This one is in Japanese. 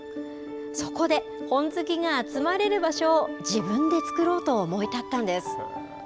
そこで本好きが集まれる場所を自分で作ろうと思い立ったんです。